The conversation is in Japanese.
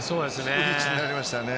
低い位置になりましたね。